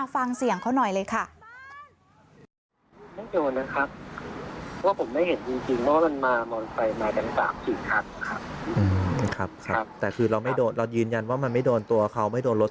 ฟังเสียงเขาหน่อยเลยค่ะ